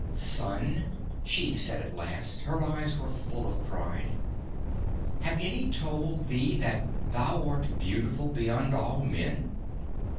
"Son," she said at last, her eyes were full of pride, "have any told thee that thou art beautiful beyond all men?"